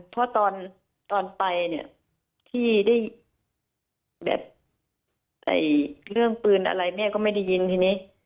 เพราะตอนไปเนี่ยที่ได้แบบเรื่องปืนอะไรแม่ก็ไม่ได้ยินทีนี้